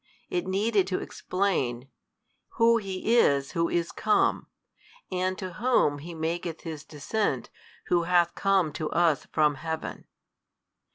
It needed to explain, Who He is Who is come, and to whom He maketh His descent Who hath come to us from Heaven.